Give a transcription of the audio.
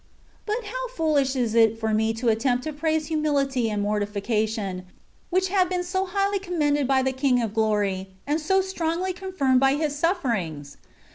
But how foolish is it for me to attempt to praise humility and mortification, which have been so highly commended by the King of Glory, and so strongly confirmed by His sufferings